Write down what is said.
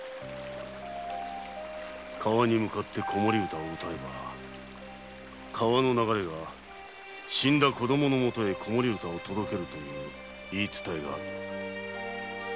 川に向かって子守歌を歌えば川の流れが死んだ子供のもとへ子守歌を届けるという言い伝えがある。